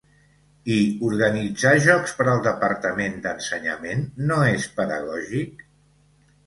I organitzar jocs per al Departament d'Ensenyament no és pedagògic?